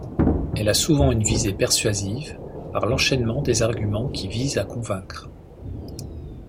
Elle a souvent une visée persuasive, par l'enchaînement des arguments qui vise à convaincre.